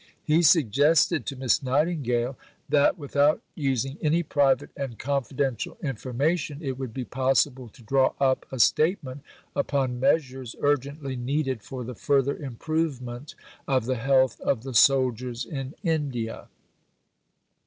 He suggested to Miss Nightingale that, without using any private and confidential information, it would be possible to draw up a statement upon measures urgently needed for the further improvement of the health of the soldiers in India.